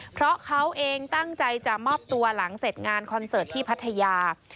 เพราะเขาเองตั้งใจจะมอบตัวหลังเสร็จงานคอนเสิร์ตที่พัทยา